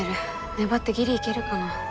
粘ってギリいけるかな。